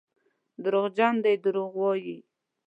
دروغجن دي دروغ وايي.